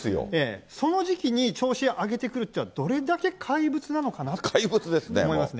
その時期に調子上げてくるって、どれだけ怪物なのかなって思います。